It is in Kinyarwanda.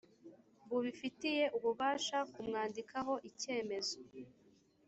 bubifitiye ububasha kumwandikaho icyemezo